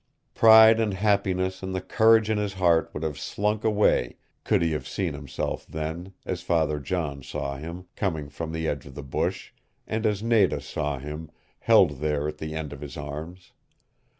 Pride and happiness and the courage in his heart would have slunk away could he have seen himself then, as Father John saw him, coming from the edge of the bush, and as Nada saw him, held there at the end of his arms.